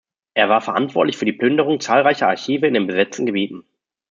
Er war verantwortlich für die Plünderung zahlreicher Archive in den besetzten Gebieten.